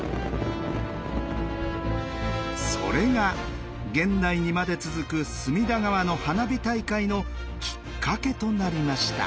それが現代にまで続く隅田川の花火大会のきっかけとなりました。